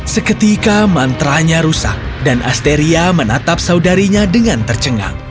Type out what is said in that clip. seketika mantranya rusak dan asteria menatap saudarinya dengan tercengang